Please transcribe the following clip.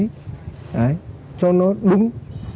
đấy cho nó đúng